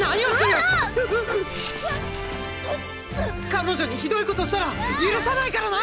彼女にひどいことしたら許さないからな！！